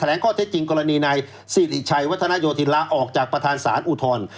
ลงข้อเท็จจริงกรณีนายสิริชัยวัฒนโยธินลาออกจากประธานศาลอุทธรณ์